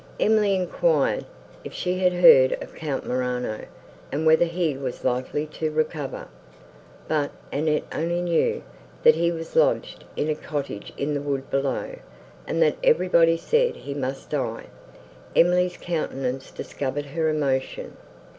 Emily enquired, if she had heard of Count Morano, and whether he was likely to recover: but Annette only knew, that he was lodged in a cottage in the wood below, and that everybody said he must die. Emily's countenance discovered her emotion.